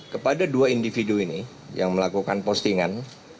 kepada dua individu ini yang melakukan postingan